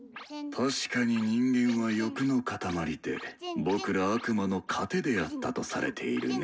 確かに人間は欲の塊で僕ら悪魔の糧であったとされているね。